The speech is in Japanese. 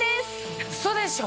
ウソでしょ？